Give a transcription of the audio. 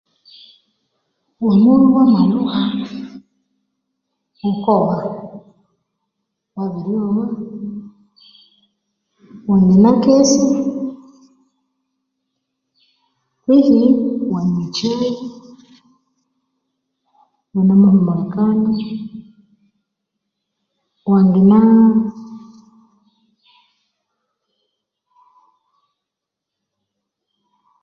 Wamowa iwamalhuha, wukogha, iwabiryowa wangenakesya, kwehi iwanywa ekyayi iwunemuhumulikana wangena